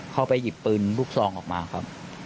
เข้าไปหยิบปืนลูกซองออกมาครับ